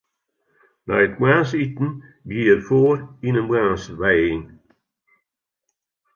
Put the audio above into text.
Nei it moarnsiten gie er foar yn in moarnswijing.